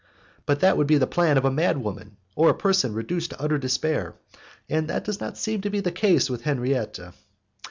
But that would be the plan of a mad woman or of a person reduced to utter despair, and it does not seem to be the case with Henriette.